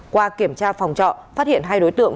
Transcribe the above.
qua kiểm tra phòng trọ phát hiện hai đối tượng